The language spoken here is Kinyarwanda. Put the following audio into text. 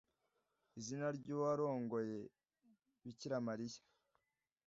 izina ry’uwarongoye Bikira Mariya